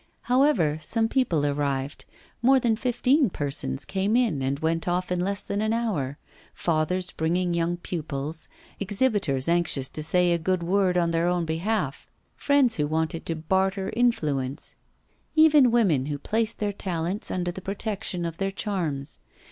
However, some people arrived; more than fifteen persons came in and went off in less than an hour fathers bringing young pupils, exhibitors anxious to say a good word on their own behalf, friends who wanted to barter influence, even women who placed their talents under the protection of their charms.